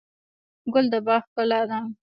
ګل د باغ ښکلا ده.